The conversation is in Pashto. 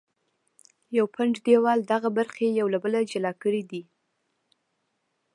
یو پنډ دیوال دغه برخې له یو بل څخه جلا کړې دي.